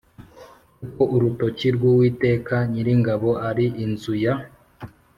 kuko urutoki rw Uwiteka Nyiringabo ari inzu ya